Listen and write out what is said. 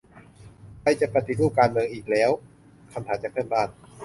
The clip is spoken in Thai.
"ไทยจะปฏิรูปการเมือง อีกแล้ว ?" คำถามจากเพื่อนบ้าน